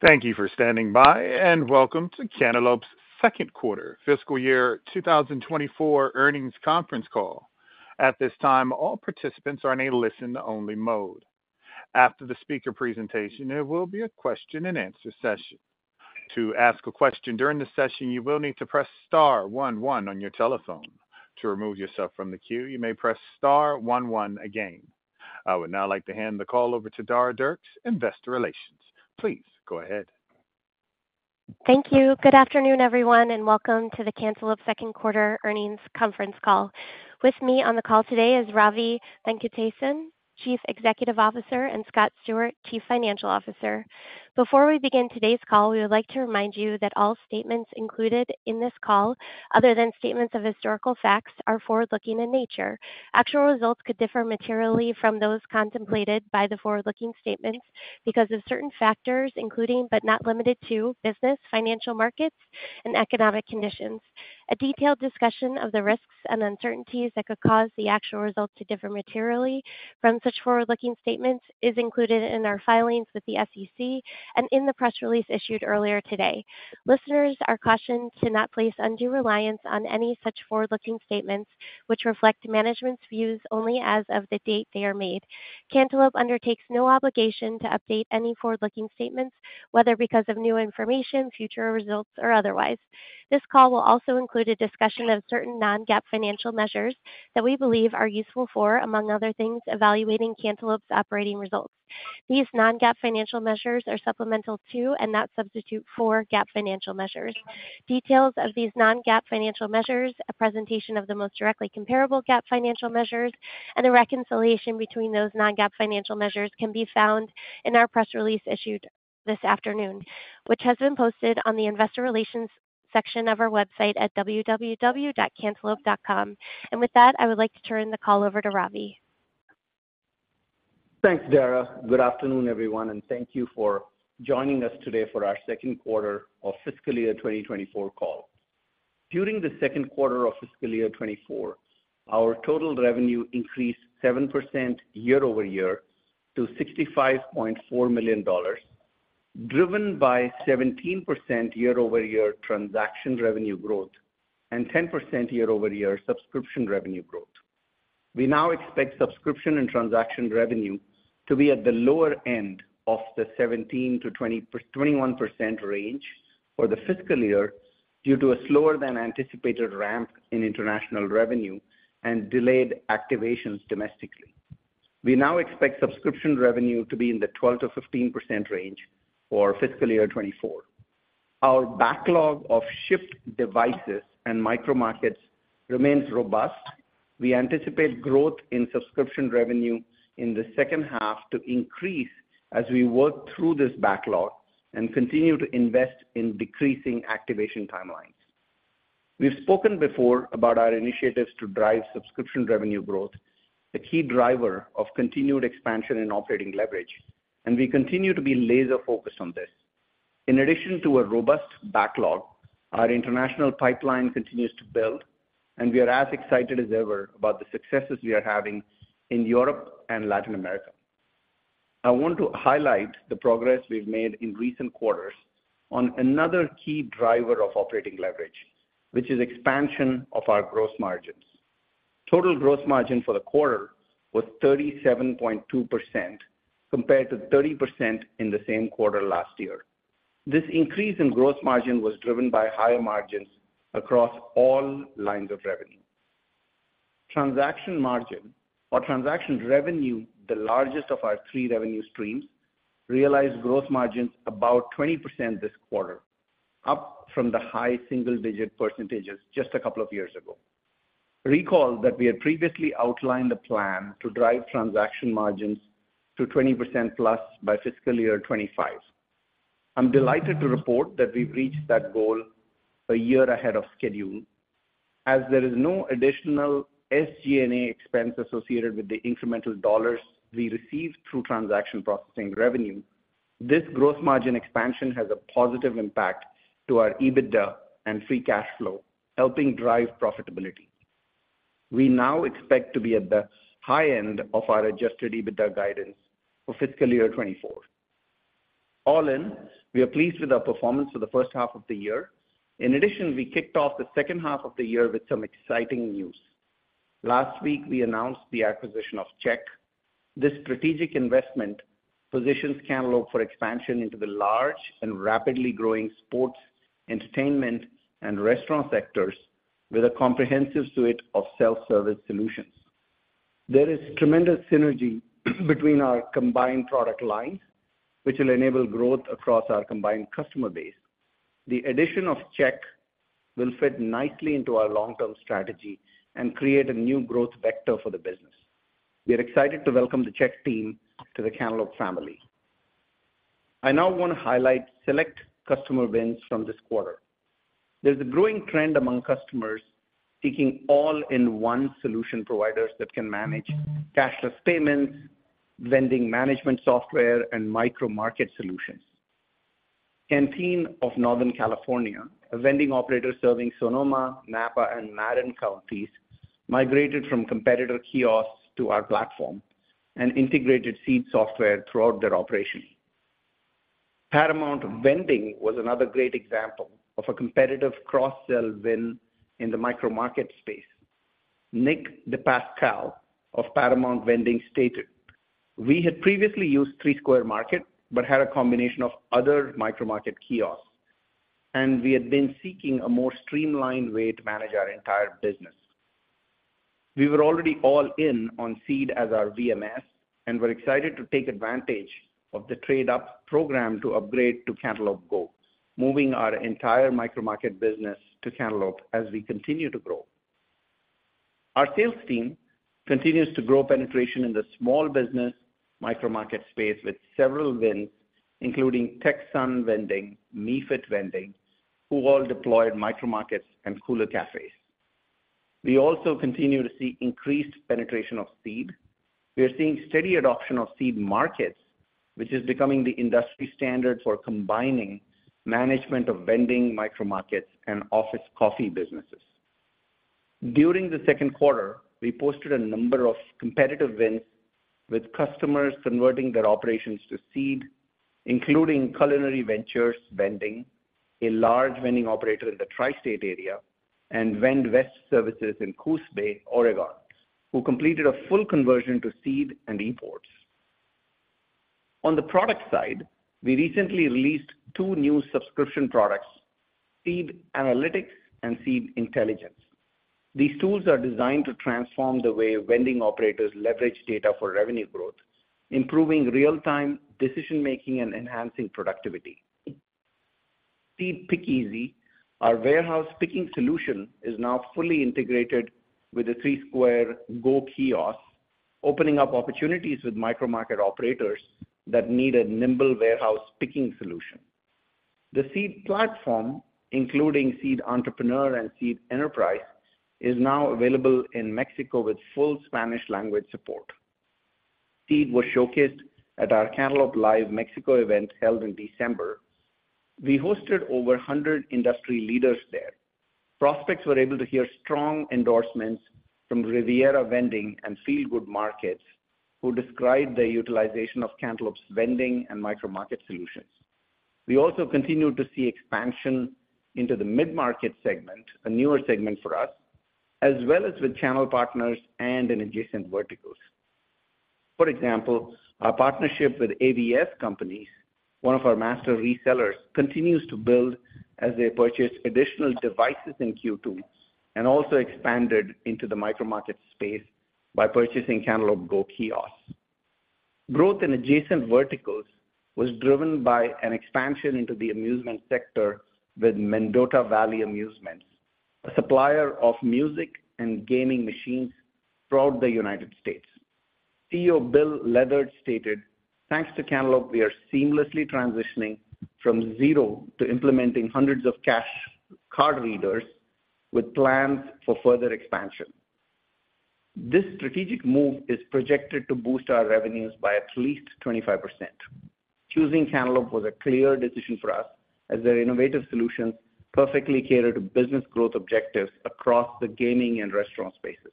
Thank you for standing by, and welcome to Cantaloupe's Second Quarter Fiscal Year 2024 Earnings Conference Call. At this time, all participants are in a listen-only mode. After the speaker presentation, there will be a question-and-answer session. To ask a question during the session, you will need to press star one one on your telephone. To remove yourself from the queue, you may press star one one again. I would now like to hand the call over to Dara Dierks, Investor Relations. Please go ahead. Thank you. Good afternoon, everyone, and welcome to the Cantaloupe second quarter earnings conference call. With me on the call today is Ravi Venkatesan, Chief Executive Officer, and Scott Stewart, Chief Financial Officer. Before we begin today's call, we would like to remind you that all statements included in this call, other than statements of historical facts, are forward-looking in nature. Actual results could differ materially from those contemplated by the forward-looking statements because of certain factors, including but not limited to business, financial markets, and economic conditions. A detailed discussion of the risks and uncertainties that could cause the actual results to differ materially from such forward-looking statements is included in our filings with the SEC and in the press release issued earlier today. Listeners are cautioned to not place undue reliance on any such forward-looking statements, which reflect management's views only as of the date they are made. Cantaloupe undertakes no obligation to update any forward-looking statements, whether because of new information, future results, or otherwise. This call will also include a discussion of certain non-GAAP financial measures that we believe are useful for, among other things, evaluating Cantaloupe's operating results. These non-GAAP financial measures are supplemental to and not substitute for GAAP financial measures. Details of these non-GAAP financial measures, a presentation of the most directly comparable GAAP financial measures, and a reconciliation between those non-GAAP financial measures can be found in our press release issued this afternoon, which has been posted on the Investor Relations section of our website at www.cantaloupe.com. With that, I would like to turn the call over to Ravi. Thanks, Dara. Good afternoon, everyone, and thank you for joining us today for our second quarter of fiscal year 2024 call. During the second quarter of fiscal year 2024, our total revenue increased 7% year-over-year to $65.4 million, driven by 17% year-over-year transaction revenue growth and 10% year-over-year subscription revenue growth. We now expect subscription and transaction revenue to be at the lower end of the 17%-21% range for the fiscal year due to a slower-than-anticipated ramp in international revenue and delayed activations domestically. We now expect subscription revenue to be in the 12%-15% range for fiscal year 2024. Our backlog of shipped devices and micro-markets remains robust. We anticipate growth in subscription revenue in the second half to increase as we work through this backlog and continue to invest in decreasing activation timelines. We've spoken before about our initiatives to drive subscription revenue growth, the key driver of continued expansion in operating leverage, and we continue to be laser-focused on this. In addition to a robust backlog, our international pipeline continues to build, and we are as excited as ever about the successes we are having in Europe and Latin America. I want to highlight the progress we've made in recent quarters on another key driver of operating leverage, which is expansion of our gross margins. Total gross margin for the quarter was 37.2% compared to 30% in the same quarter last year. This increase in gross margin was driven by higher margins across all lines of revenue. Transaction margin, or transaction revenue, the largest of our three revenue streams, realized gross margins about 20% this quarter, up from the high single-digit percentages just a couple of years ago. Recall that we had previously outlined the plan to drive transaction margins to 20%+ by fiscal year 2025. I'm delighted to report that we've reached that goal a year ahead of schedule. As there is no additional SG&A expense associated with the incremental dollars we receive through transaction processing revenue, this gross margin expansion has a positive impact to our EBITDA and free cash flow, helping drive profitability. We now expect to be at the high end of our adjusted EBITDA guidance for fiscal year 2024. All in, we are pleased with our performance for the first half of the year. In addition, we kicked off the second half of the year with some exciting news. Last week, we announced the acquisition of CHEQ. This strategic investment positions Cantaloupe for expansion into the large and rapidly growing sports, entertainment, and restaurant sectors with a comprehensive suite of self-service solutions. There is tremendous synergy between our combined product lines, which will enable growth across our combined customer base. The addition of CHEQ will fit nicely into our long-term strategy and create a new growth vector for the business. We are excited to welcome the CHEQ team to the Cantaloupe family. I now want to highlight select customer wins from this quarter. There's a growing trend among customers seeking all-in-one solution providers that can manage cashless payments, vending management software, and micro-market solutions. Canteen of Northern California, a vending operator serving Sonoma, Napa, and Marin counties, migrated from competitor kiosks to our platform and integrated Seed software throughout their operation. Paramount Vending was another great example of a competitive cross-sell win in the micro-market space. Nick DePascal of Paramount Vending stated, "We had previously used Three Square Market but had a combination of other micro-market kiosks, and we had been seeking a more streamlined way to manage our entire business. We were already all-in on Seed as our VMS and were excited to take advantage of the trade-up program to upgrade to Cantaloupe Go, moving our entire micro-market business to Cantaloupe as we continue to grow." Our sales team continues to grow penetration in the small business micro-market space with several wins, including Tucson Vending, MeFit Vending, who all deployed micro-markets and cooler cafés. We also continue to see increased penetration of Seed. We are seeing steady adoption of Seed Markets, which is becoming the industry standard for combining management of vending micro-markets and office coffee businesses. During the second quarter, we posted a number of competitive wins with customers converting their operations to Seed, including Culinary Ventures Vending, a large vending operator in the Tri-State area, and VendWest Services in Coos Bay, Oregon, who completed a full conversion to Seed and ePort. On the product side, we recently released two new subscription products, Seed Analytics and Seed Intelligence. These tools are designed to transform the way vending operators leverage data for revenue growth, improving real-time decision-making and enhancing productivity. Seed Pick Easy, our warehouse picking solution, is now fully integrated with the Three Square Go kiosk, opening up opportunities with micro-market operators that need a nimble warehouse picking solution. The Seed platform, including Seed Entrepreneur and Seed Enterprise, is now available in Mexico with full Spanish language support. Seed was showcased at our Cantaloupe Live Mexico event held in December. We hosted over 100 industry leaders there. Prospects were able to hear strong endorsements from Riviera Vending and Feel Good Markets, who described their utilization of Cantaloupe's vending and micro-market solutions. We also continue to see expansion into the mid-market segment, a newer segment for us, as well as with channel partners and in adjacent verticals. For example, our partnership with AVS Companies, one of our master resellers, continues to build as they purchased additional devices in Q2 and also expanded into the micro-market space by purchasing Cantaloupe Go kiosks. Growth in adjacent verticals was driven by an expansion into the amusement sector with Mendota Valley Amusement, a supplier of music and gaming machines throughout the United States. CEO Bill Lethert stated, "Thanks to Cantaloupe, we are seamlessly transitioning from zero to implementing hundreds of cash card readers with plans for further expansion." This strategic move is projected to boost our revenues by at least 25%. Choosing Cantaloupe was a clear decision for us as their innovative solutions perfectly cater to business growth objectives across the gaming and restaurant spaces.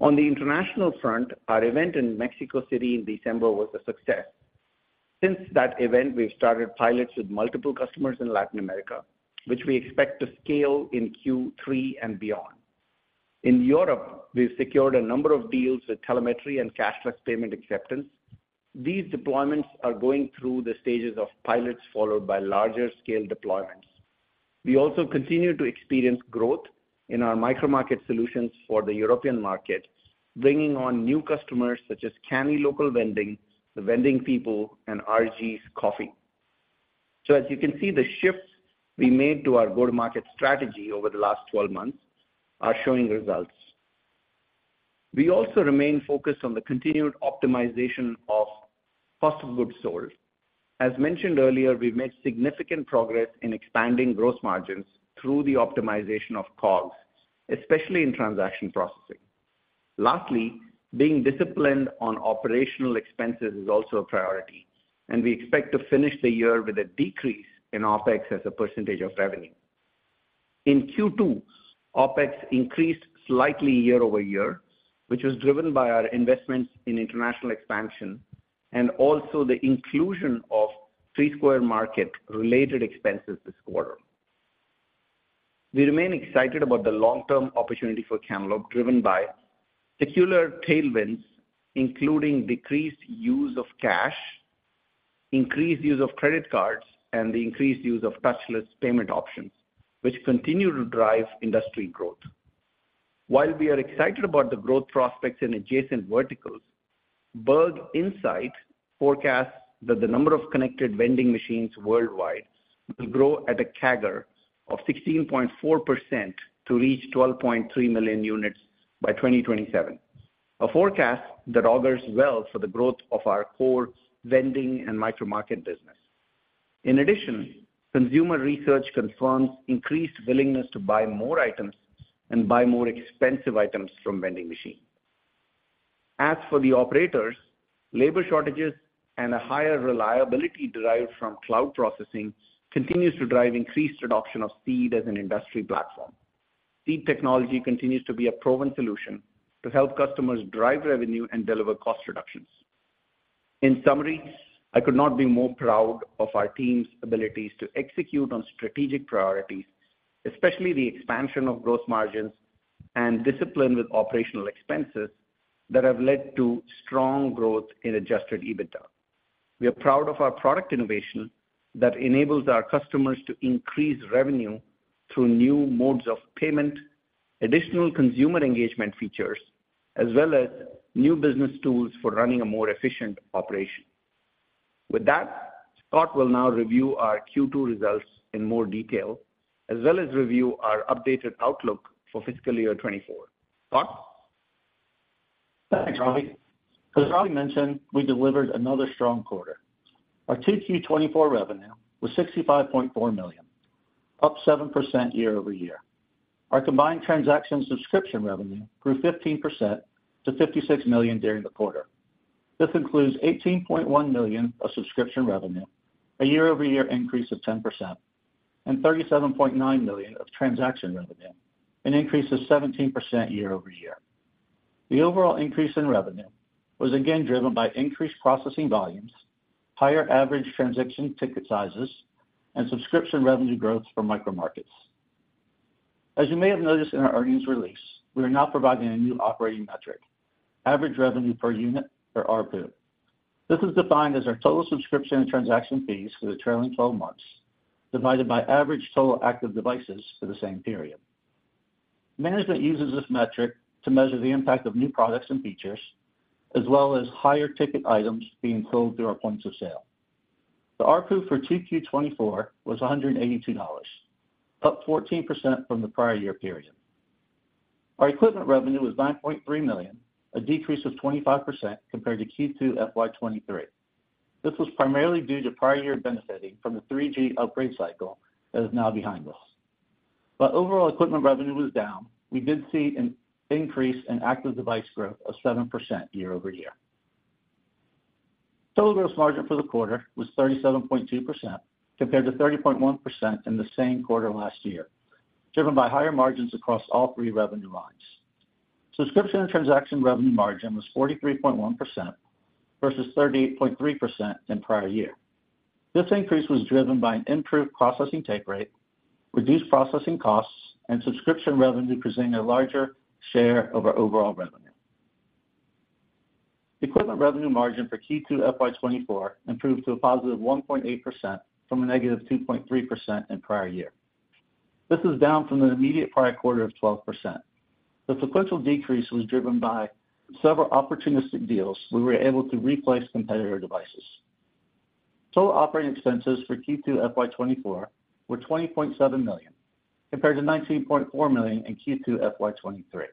On the international front, our event in Mexico City in December was a success. Since that event, we've started pilots with multiple customers in Latin America, which we expect to scale in Q3 and beyond. In Europe, we've secured a number of deals with telemetry and cashless payment acceptance. These deployments are going through the stages of pilots followed by larger-scale deployments. We also continue to experience growth in our micro-market solutions for the European market, bringing on new customers such as Canny Local Vending, The Vending People, and RG's Coffee. So as you can see, the shifts we made to our go-to-market strategy over the last 12 months are showing results. We also remain focused on the continued optimization of cost of goods sold. As mentioned earlier, we've made significant progress in expanding gross margins through the optimization of COGS, especially in transaction processing. Lastly, being disciplined on operational expenses is also a priority, and we expect to finish the year with a decrease in OPEX as a percentage of revenue. In Q2, OPEX increased slightly year-over-year, which was driven by our investments in international expansion and also the inclusion of Three Square Market-related expenses this quarter. We remain excited about the long-term opportunity for Cantaloupe, driven by secular tailwinds, including decreased use of cash, increased use of credit cards, and the increased use of touchless payment options, which continue to drive industry growth. While we are excited about the growth prospects in adjacent verticals, Berg Insight forecasts that the number of connected vending machines worldwide will grow at a CAGR of 16.4% to reach 12.3 million units by 2027, a forecast that augurs well for the growth of our core vending and micro-market business. In addition, consumer research confirms increased willingness to buy more items and buy more expensive items from vending machines. As for the operators, labor shortages and a higher reliability derived from cloud processing continue to drive increased adoption of Seed as an industry platform. Seed technology continues to be a proven solution to help customers drive revenue and deliver cost reductions. In summary, I could not be more proud of our team's abilities to execute on strategic priorities, especially the expansion of gross margins and discipline with operational expenses that have led to strong growth in Adjusted EBITDA. We are proud of our product innovation that enables our customers to increase revenue through new modes of payment, additional consumer engagement features, as well as new business tools for running a more efficient operation. With that, Scott will now review our Q2 results in more detail, as well as review our updated outlook for fiscal year 2024. Scott? Thanks, Ravi. As Ravi mentioned, we delivered another strong quarter. Our 2Q24 revenue was $65.4 million, up 7% year-over-year. Our combined transaction subscription revenue grew 15% to $56 million during the quarter. This includes $18.1 million of subscription revenue, a year-over-year increase of 10%, and $37.9 million of transaction revenue, an increase of 17% year-over-year. The overall increase in revenue was again driven by increased processing volumes, higher average transaction ticket sizes, and subscription revenue growth for micro-markets. As you may have noticed in our earnings release, we are now providing a new operating metric, average revenue per unit or RPU. This is defined as our total subscription and transaction fees for the trailing 12 months divided by average total active devices for the same period. Management uses this metric to measure the impact of new products and features, as well as higher ticket items being sold through our points of sale. The RPU for 2Q 2024 was $182, up 14% from the prior year period. Our equipment revenue was $9.3 million, a decrease of 25% compared to Q2 FY 2023. This was primarily due to prior year benefiting from the 3G upgrade cycle that is now behind us. While overall equipment revenue was down, we did see an increase in active device growth of 7% year-over-year. Total gross margin for the quarter was 37.2% compared to 30.1% in the same quarter last year, driven by higher margins across all three revenue lines. Subscription and transaction revenue margin was 43.1% versus 38.3% in prior year. This increase was driven by an improved processing take rate, reduced processing costs, and subscription revenue presenting a larger share of our overall revenue. Equipment revenue margin for Q2 FY 2024 improved to 1.8% from -2.3% in prior year. This is down from the immediate prior quarter of 12%. The sequential decrease was driven by several opportunistic deals where we were able to replace competitor devices. Total operating expenses for Q2 FY 2024 were $20.7 million compared to $19.4 million in Q2 FY 2023.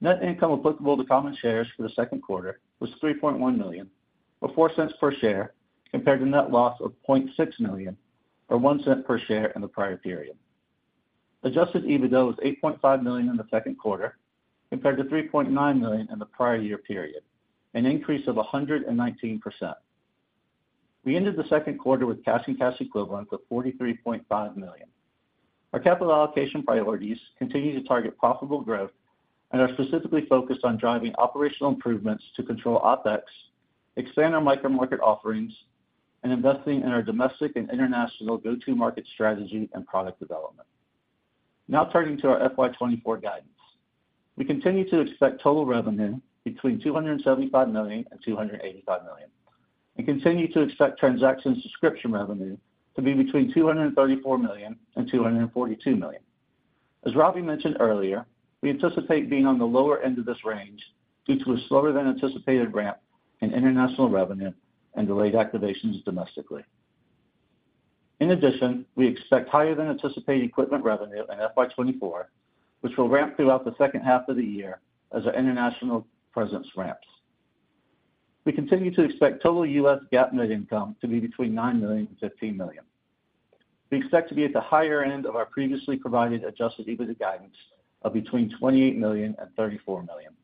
Net income applicable to common shares for the second quarter was $3.1 million, or $0.04 per share compared to net loss of $0.6 million, or $0.01 per share in the prior period. Adjusted EBITDA was $8.5 million in the second quarter compared to $3.9 million in the prior year period, an increase of 119%. We ended the second quarter with cash and cash equivalents of $43.5 million. Our capital allocation priorities continue to target profitable growth and are specifically focused on driving operational improvements to control OPEX, expand our micro-market offerings, and investing in our domestic and international go-to-market strategy and product development. Now turning to our FY 2024 guidance, we continue to expect total revenue between $275 million-$285 million and continue to expect transaction subscription revenue to be between $234 million-$242 million. As Ravi mentioned earlier, we anticipate being on the lower end of this range due to a slower-than-anticipated ramp in international revenue and delayed activations domestically. In addition, we expect higher-than-anticipated equipment revenue in FY 2024, which will ramp throughout the second half of the year as our international presence ramps. We continue to expect total U.S. GAAP net income to be between $9 million-$15 million. We expect to be at the higher end of our previously provided adjusted EBITDA guidance of between $28 million-$34 million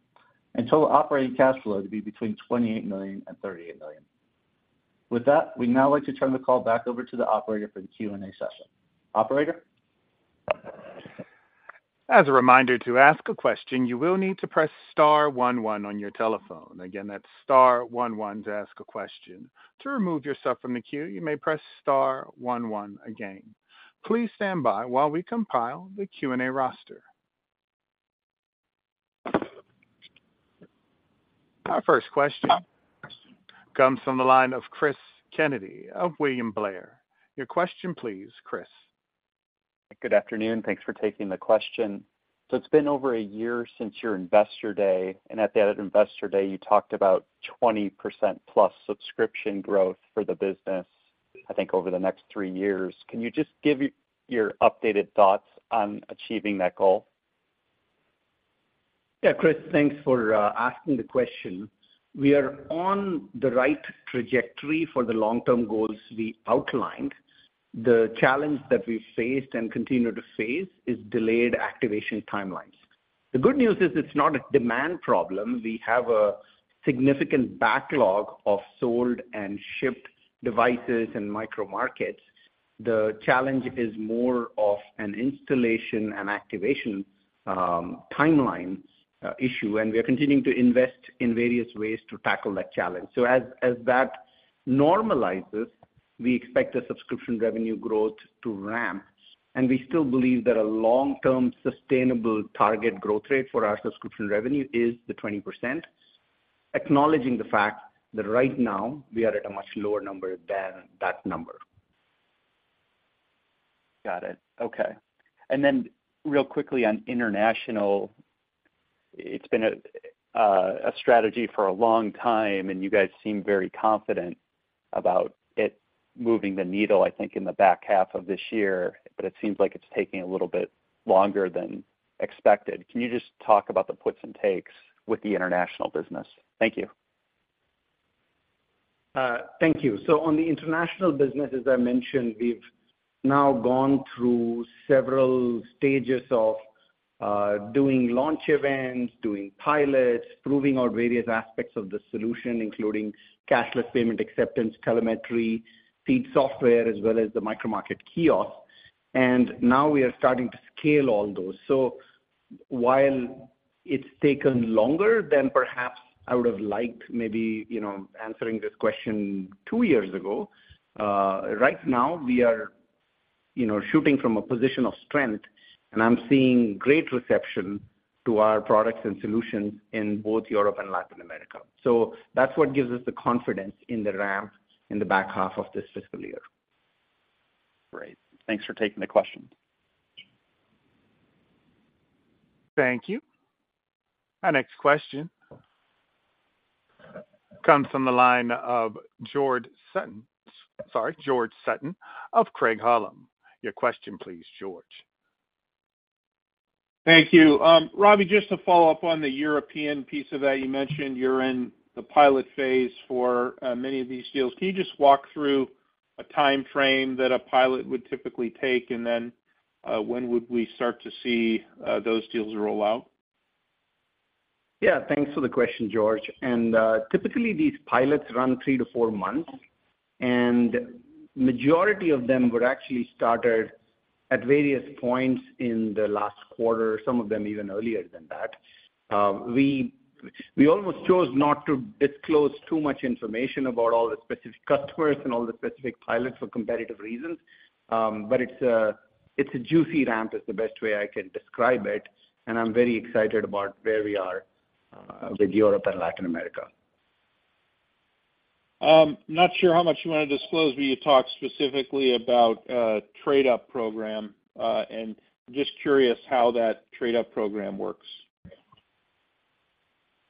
and total operating cash flow to be between $28 million-$38 million. With that, we'd now like to turn the call back over to the operator for the Q&A session. Operator? As a reminder to ask a question, you will need to press star one one on your telephone. Again, that's star one one to ask a question. To remove yourself from the queue, you may press star one one again. Please stand by while we compile the Q&A roster. Our first question comes from the line of Chris Kennedy of William Blair. Your question, please, Chris. Good afternoon. Thanks for taking the question. It's been over a year since your Investor Day, and at that Investor Day, you talked about 20%+ subscription growth for the business, I think, over the next three years. Can you just give your updated thoughts on achieving that goal? Yeah, Chris, thanks for asking the question. We are on the right trajectory for the long-term goals we outlined. The challenge that we've faced and continue to face is delayed activation timelines. The good news is it's not a demand problem. We have a significant backlog of sold and shipped devices in micro-markets. The challenge is more of an installation and activation timeline issue, and we are continuing to invest in various ways to tackle that challenge. So as that normalizes, we expect the subscription revenue growth to ramp, and we still believe that a long-term sustainable target growth rate for our subscription revenue is the 20%, acknowledging the fact that right now, we are at a much lower number than that number. Got it. Okay. And then real quickly on international, it's been a strategy for a long time, and you guys seem very confident about it moving the needle, I think, in the back half of this year, but it seems like it's taking a little bit longer than expected. Can you just talk about the puts and takes with the international business? Thank you. Thank you. So on the international business, as I mentioned, we've now gone through several stages of doing launch events, doing pilots, proving out various aspects of the solution, including cashless payment acceptance, telemetry, Seed software, as well as the micro-market kiosk. And now we are starting to scale all those. So while it's taken longer than perhaps I would have liked, maybe answering this question two years ago, right now, we are shooting from a position of strength, and I'm seeing great reception to our products and solutions in both Europe and Latin America. So that's what gives us the confidence in the ramp in the back half of this fiscal year. Great. Thanks for taking the question. Thank you. Our next question comes from the line of George Sutton, sorry, George Sutton of Craig-Hallum. Your question, please, George. Thank you. Ravi, just to follow up on the European piece of that, you mentioned you're in the pilot phase for many of these deals. Can you just walk through a time frame that a pilot would typically take, and then when would we start to see those deals roll out? Yeah. Thanks for the question, George. Typically, these pilots run three to four months, and the majority of them were actually started at various points in the last quarter, some of them even earlier than that. We almost chose not to disclose too much information about all the specific customers and all the specific pilots for competitive reasons, but it's a juicy ramp, is the best way I can describe it. I'm very excited about where we are with Europe and Latin America. I'm not sure how much you want to disclose, but you talked specifically about a trade-up program, and I'm just curious how that trade-up program works.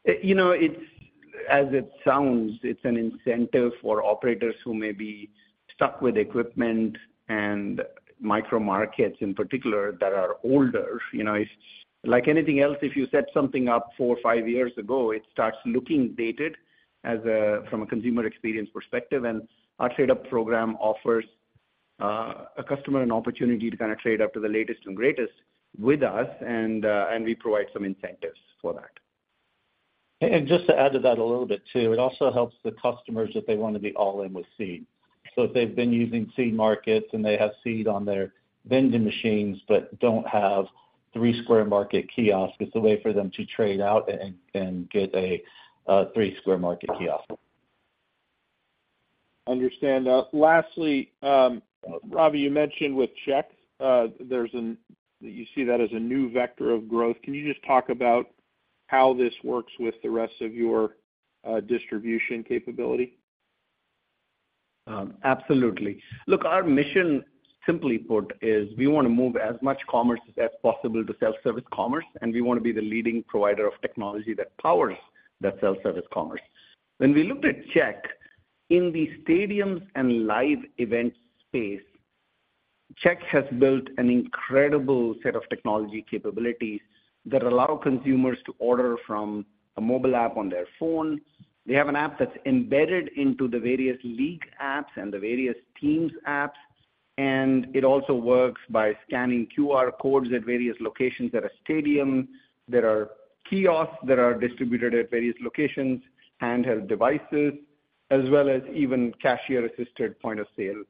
As it sounds, it's an incentive for operators who may be stuck with equipment and micro-markets in particular that are older. Like anything else, if you set something up four or five years ago, it starts looking dated from a consumer experience perspective. And our trade-up program offers a customer an opportunity to kind of trade up to the latest and greatest with us, and we provide some incentives for that. Just to add to that a little bit too, it also helps the customers that they want to be all-in with Seed. If they've been using Seed Markets and they have Seed on their vending machines but don't have Three Square Market kiosks, it's a way for them to trade out and get a Three Square Market kiosk. Understand. Lastly, Ravi, you mentioned with CHEQ, you see that as a new vector of growth. Can you just talk about how this works with the rest of your distribution capability? Absolutely. Look, our mission, simply put, is we want to move as much commerce as possible to self-service commerce, and we want to be the leading provider of technology that powers that self-service commerce. When we looked at CHEQ, in the stadiums and live event space, CHEQ has built an incredible set of technology capabilities that allow consumers to order from a mobile app on their phone. They have an app that's embedded into the various league apps and the various teams apps, and it also works by scanning QR codes at various locations at a stadium. There are kiosks that are distributed at various locations, handheld devices, as well as even cashier-assisted point-of-sale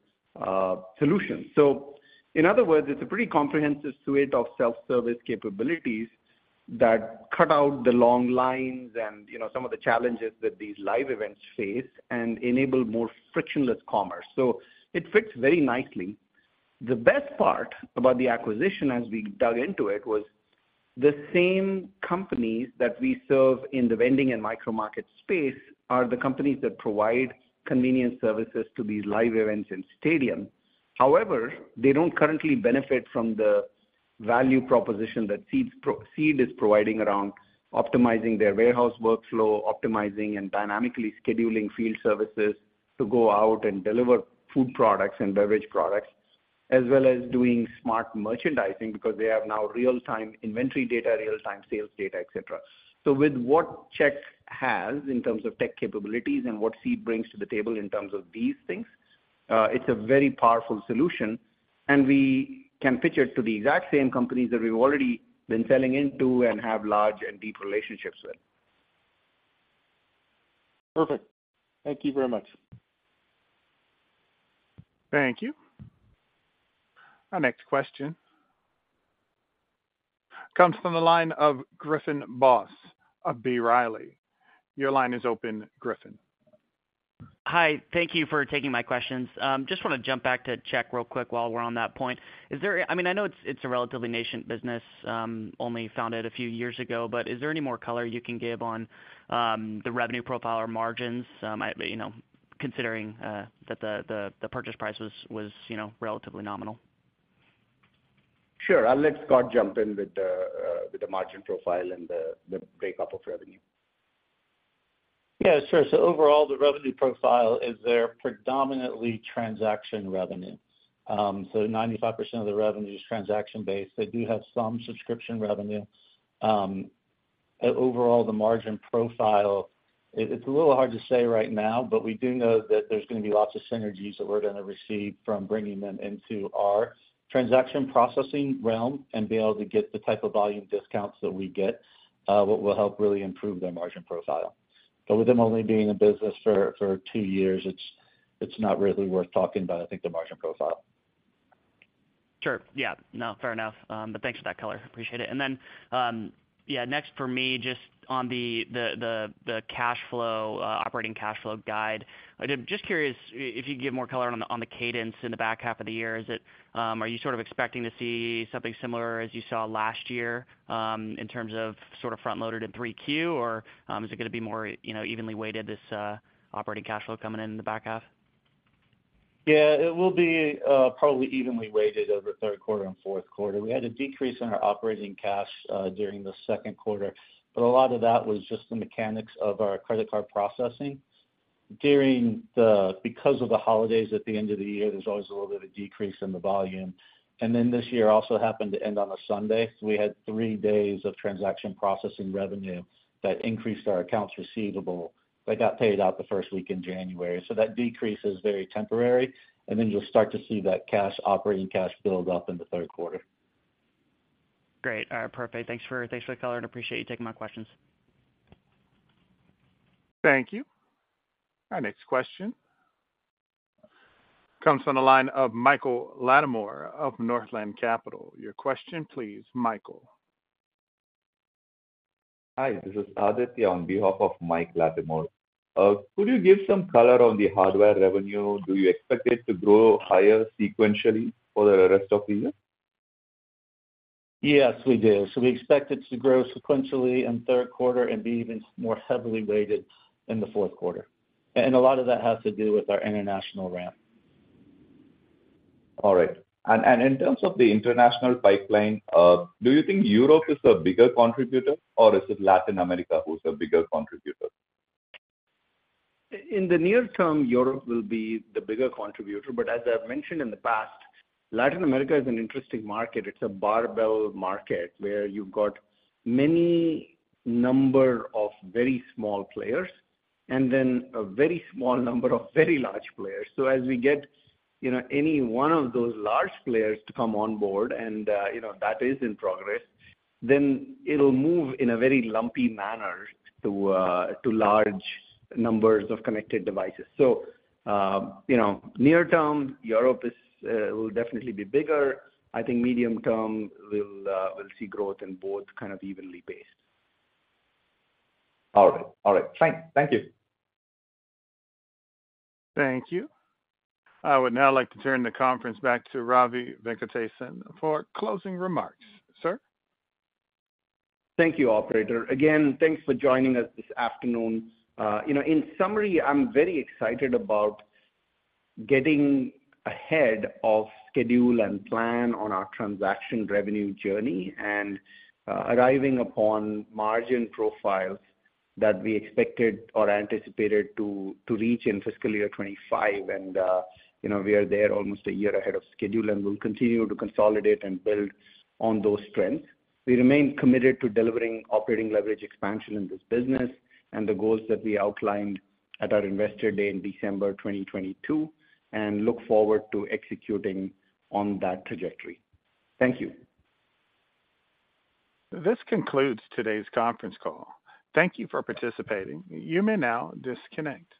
solutions. So in other words, it's a pretty comprehensive suite of self-service capabilities that cut out the long lines and some of the challenges that these live events face and enable more frictionless commerce. So it fits very nicely. The best part about the acquisition, as we dug into it, was the same companies that we serve in the vending and Micro-market space are the companies that provide convenience services to these live events in stadium. However, they don't currently benefit from the value proposition that Seed is providing around optimizing their warehouse workflow, optimizing, and dynamically scheduling field services to go out and deliver food products and beverage products, as well as doing smart merchandising because they have now real-time inventory data, real-time sales data, etc. So with what CHEQ has in terms of tech capabilities and what Seed brings to the table in terms of these things, it's a very powerful solution, and we can pitch it to the exact same companies that we've already been selling into and have large and deep relationships with. Perfect. Thank you very much. Thank you. Our next question comes from the line of Griffin Boss of B. Riley. Your line is open, Griffin. Hi. Thank you for taking my questions. Just want to jump back to CHEQ real quick while we're on that point. I mean, I know it's a relatively nascent business, only founded a few years ago, but is there any more color you can give on the revenue profile or margins, considering that the purchase price was relatively nominal? Sure. I'll let Scott jump in with the margin profile and the breakdown of revenue. Yeah, sure. So overall, the revenue profile is there predominantly transaction revenue. So 95% of the revenue is transaction-based. They do have some subscription revenue. Overall, the margin profile, it's a little hard to say right now, but we do know that there's going to be lots of synergies that we're going to receive from bringing them into our transaction processing realm and being able to get the type of volume discounts that we get, what will help really improve their margin profile. But with them only being in business for two years, it's not really worth talking about, I think, the margin profile. Sure. Yeah. No, fair enough. But thanks for that color. Appreciate it. And then, yeah, next for me, just on the operating cash flow guide, I'm just curious if you could give more color on the cadence in the back half of the year. Are you sort of expecting to see something similar as you saw last year in terms of sort of front-loaded in 3Q, or is it going to be more evenly weighted, this operating cash flow coming in in the back half? Yeah, it will be probably evenly weighted over third quarter and fourth quarter. We had a decrease in our operating cash during the second quarter, but a lot of that was just the mechanics of our credit card processing. Because of the holidays at the end of the year, there's always a little bit of decrease in the volume. And then this year also happened to end on a Sunday. So we had 3 days of transaction processing revenue that increased our accounts receivable that got paid out the first week in January. So that decrease is very temporary, and then you'll start to see that operating cash build up in the third quarter. Great. All right. Perfect. Thanks for the color, and appreciate you taking my questions. Thank you. Our next question comes from the line of Michael Latimore of Northland Capital. Your question, please, Michael. Hi. This is Aditya on behalf of Mike Latimore. Could you give some color on the hardware revenue? Do you expect it to grow higher sequentially for the rest of the year? Yes, we do. So we expect it to grow sequentially in third quarter and be even more heavily weighted in the fourth quarter. And a lot of that has to do with our international ramp. All right. In terms of the international pipeline, do you think Europe is the bigger contributor, or is it Latin America who's the bigger contributor? In the near term, Europe will be the bigger contributor, but as I've mentioned in the past, Latin America is an interesting market. It's a barbell market where you've got many number of very small players and then a very small number of very large players. So as we get any one of those large players to come on board, and that is in progress, then it'll move in a very lumpy manner to large numbers of connected devices. So near term, Europe will definitely be bigger. I think medium term we'll see growth in both kind of evenly based. All right. All right. Thank you. Thank you. I would now like to turn the conference back to Ravi Venkatesan for closing remarks. Sir? Thank you, operator. Again, thanks for joining us this afternoon. In summary, I'm very excited about getting ahead of schedule and plan on our transaction revenue journey and arriving upon margin profiles that we expected or anticipated to reach in fiscal year 2025. We are there almost a year ahead of schedule, and we'll continue to consolidate and build on those trends. We remain committed to delivering operating leverage expansion in this business and the goals that we outlined at our investor day in December 2022 and look forward to executing on that trajectory. Thank you. This concludes today's conference call. Thank you for participating. You may now disconnect.